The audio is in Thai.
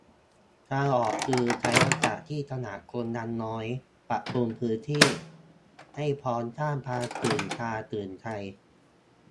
ทางออกคือใช้โอกาสที่ตลาดคนยังน้อยปรับปรุงพื้นที่ ให้พร้อมสร้างความตื่นตาตื่นใจ